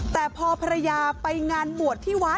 แต่พอภรรยาไปงานบวชที่วัด